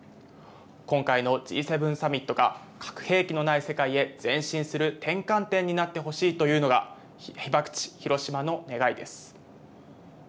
今回のＧ７サミットが核兵器のない世界へ前進する転換点になってほしいというのが、被爆地、広島の願いです。